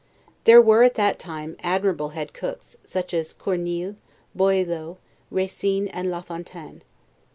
There were at that time admirable head cooks, such as Corneille, Boileau, Racine, and La Fontaine.